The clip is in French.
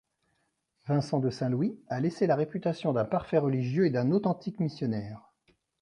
Vincent de Saint-Louis a laissé la réputation d'un parfait religieux et d'un authentique missionnaire.